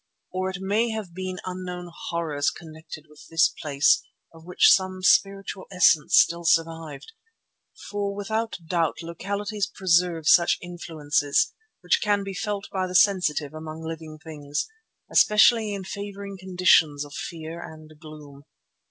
Or it may have been unknown horrors connected with this place of which some spiritual essence still survived, for without doubt localities preserve such influences, which can be felt by the sensitive among living things, especially in favouring conditions of fear and gloom.